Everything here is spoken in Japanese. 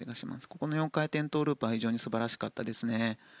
ここの４回転トウループは非常に素晴らしかったです。